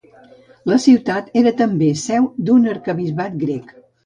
La ciutat era també seu d'un arquebisbat grec.